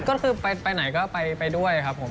ก็คือไปไหนก็ไปด้วยครับผม